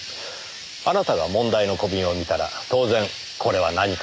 あなたが問題の小瓶を見たら当然これは何かと尋ねます。